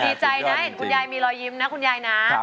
ดีใจนะเห็นคุณยายมีรอยยิ้มนะคุณยายนะ